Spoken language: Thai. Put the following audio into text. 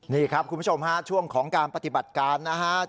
นี่ครับคุณผู้ชมฮะช่วงของการปฏิบัติการนะฮะ